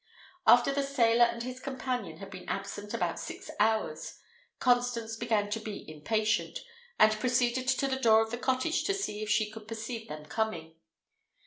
After the sailor and his companion had been absent about six hours, Constance began to be impatient, and proceeded to the door of the cottage to see if she could perceive them coming.